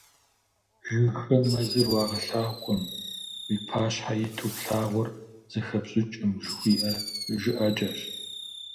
"Жыгхэм мэзыр уагъэлъагъукъым" — уи пащхьэ иту плъагъур зэхэпщӀыкӀкъым жыхуиӀэ жыӀэкӀэщ.